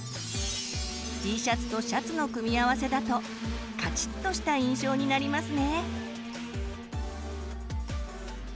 Ｔシャツとシャツの組み合わせだとカチッとした印象になりますね。